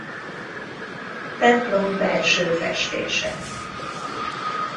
Templom belső festése.